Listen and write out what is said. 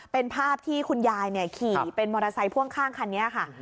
เป็นภาพที่คุณยายขี่เป็นมอเตอร์ไซค์พ่วงข้างคันนี้ค่ะ